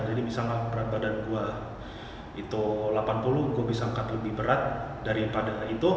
jadi misalnya berat badan gue itu delapan puluh gue bisa angkat lebih berat daripada itu